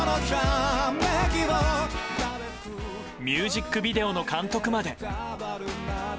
ミュージックビデオの監督まで。